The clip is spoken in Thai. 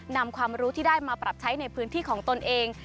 นำความรู้ที่ได้มาปรับใช้ในพื้นที่ของตนเอง